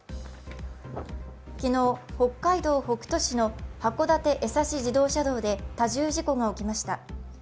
昨日、北海道北斗市の函館江刺自動車道で多重事故が起きました。